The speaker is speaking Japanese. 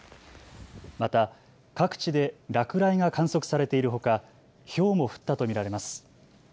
また各地で落雷が観測されているほかひょうも降ったと見られます。